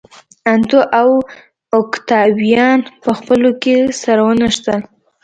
انتو او اوکتاویان په خپلو کې سره ونښتل.